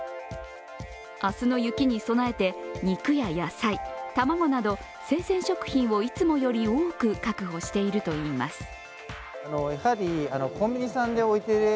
明日の雪に備えて肉や野菜、卵など生鮮食品をいつもより多く確保しているといいます。